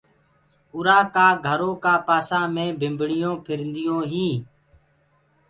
اُرآ ڪآ گھرو ڪآ پآسآ مي ڀمڀڻونٚ ڦرديونٚ هينٚ۔